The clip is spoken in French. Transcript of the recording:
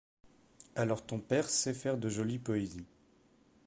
Alors ton père sait faire de jolies poésies.